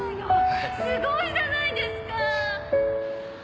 すごいじゃないですか！